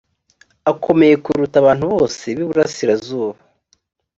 akomeye kuruta abantu bose b iburasirazuba